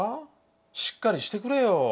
しっかりしてくれよ。